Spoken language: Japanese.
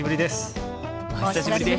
お久しぶりです。